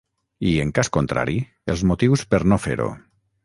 I, en cas contrari, els motius per no fer-ho.